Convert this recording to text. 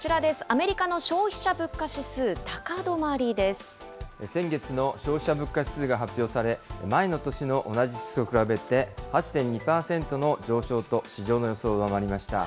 アメリカの消費者物価指数、高止先月の消費者物価指数が発表され、前の年の同じ月と比べて８．２％の上昇と、市場の予想を上回りました。